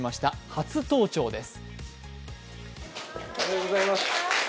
初登庁です。